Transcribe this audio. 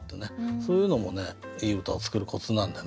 そういうのもいい歌を作るコツなんでね。